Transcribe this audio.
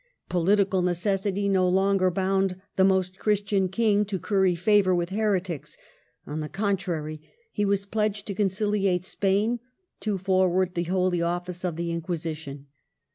Political necessity no longer bound the most Christian King to curry favor with heretics ; on the con trary, he was pledged to conciliate Spain, to forward the holy office of the Inquisition.